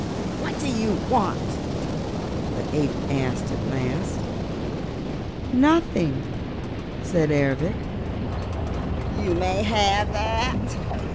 "What do you want?" the ape asked at last. "Nothing," said Ervic. "You may have that!"